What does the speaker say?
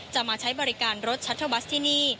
มาใช้บริการรถชัตเทอร์บัสที่นี่